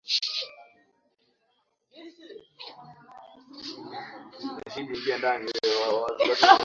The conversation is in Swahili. rais benali atafutwa kwa udi na uvuma na serikali ya tunisia